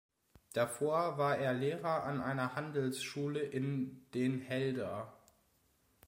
Davor war er Lehrer an einer Handelsschule in Den Helder.